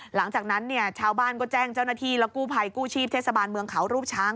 หลังจากนั้นเนี่ยชาวบ้านก็แจ้งเจ้าหน้าที่และกู้ภัยกู้ชีพเทศบาลเมืองเขารูปช้าง